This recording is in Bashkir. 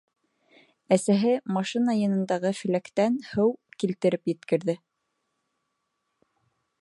Әсәһе машина янындағы феләктән һыу килтереп еткерҙе.